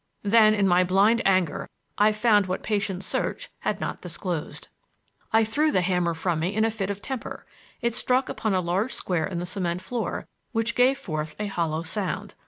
Then, in my blind anger, I found what patient search had not disclosed. I threw the hammer from me in a fit of temper; it struck upon a large square in the cement floor which gave forth a hollow sound.